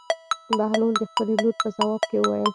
بهلول د خپلې لور په ځواب کې وویل.